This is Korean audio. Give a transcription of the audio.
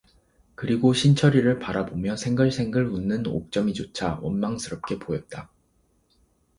그리고 신철이를 바라보며 생글생글 웃는 옥점이조차 원망스럽게 보였다.